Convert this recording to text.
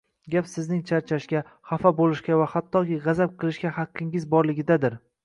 Gap sizning charchashga, xafa bo‘lishga va hattoki g‘azab qilishga haqqingiz borligidadir.